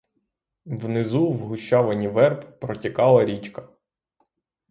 Внизу в гущавині верб протікала річка.